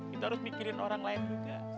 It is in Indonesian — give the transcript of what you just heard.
kita harus mikirin orang lain juga